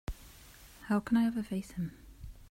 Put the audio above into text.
How can I ever face him?